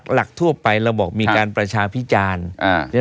หลักทั่วไปเราบอกมีการประชาพิจารณ์